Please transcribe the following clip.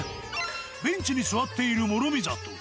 ベンチに座っている諸見里。